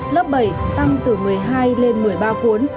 lớp bảy tăng từ một mươi hai lên một mươi ba cuốn